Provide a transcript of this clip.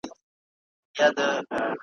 او د کلي اوسېدونکي یې ,